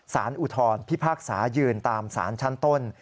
อุทธรพิพากษายืนตามสารชั้นต้น